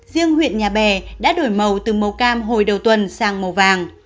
riêng huyện nhà bè đã đổi màu từ màu cam hồi đầu tuần sang màu vàng